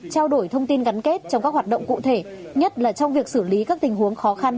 trao đổi thông tin gắn kết trong các hoạt động cụ thể nhất là trong việc xử lý các tình huống khó khăn